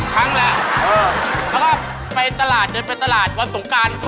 ครั้งแหละแล้วก็ไปตลาดเจอไปตลาดวันสงการ